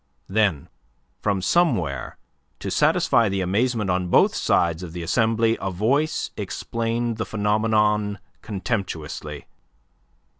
Then from somewhere, to satisfy the amazement on both sides of the assembly, a voice explained the phenomenon contemptuously.